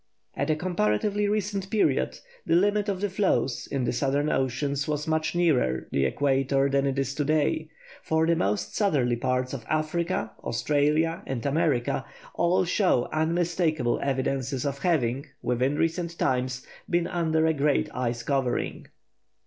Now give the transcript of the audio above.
At a comparatively recent period, the limit of the floes, in the southern oceans, was much nearer the equator than it is to day, for the most southerly parts of Africa, Australia, and America all show unmistakable evidences of having, within recent times, been under a great ice covering.